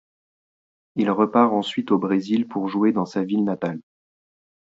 Il repart ensuite au Brésil pour jouer dans sa ville natale.